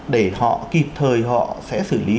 để họ kịp thời họ sẽ xử lý